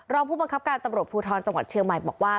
รองผู้บังคับการตำรวจภูทรจังหวัดเชียงใหม่บอกว่า